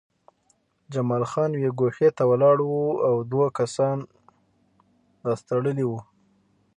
جمال خان یوې ګوښې ته ولاړ و او دوه کسان لاس تړلي وو